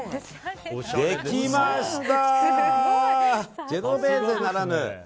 できました！